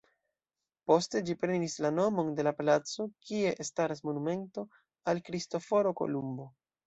Poste ĝi prenis la nomon de la placo kie staras monumento al Kristoforo Kolumbo.